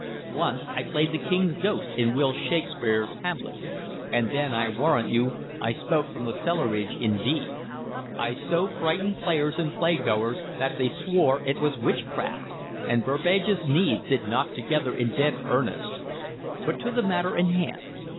Once I played the King's ghost in Will Shakespeare's 'Hamlet,' and then, I warrant you, I spoke from the cellarage indeed. I so frighted players and playgoers that they swore it was witchcraft, and Burbage's knees did knock together in dead earnest. But to the matter in hand.